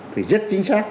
thì rất chính xác